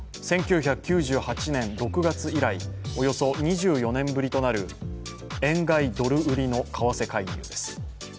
１９９８年６月以来、およそ２４年ぶりとなる円買い・ドル売りの為替介入です。